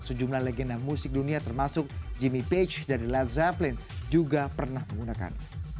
sejumlah legenda musik dunia termasuk jimmy page dari led zhaplin juga pernah menggunakan